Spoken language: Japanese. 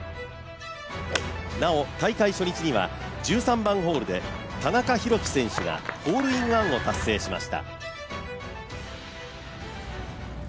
なお大会初日には１３番ホールで田中裕基選手が、ホールインワンを達成しました。